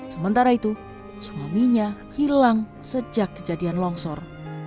sementara itu suaminya hilang sejak kejadian longsor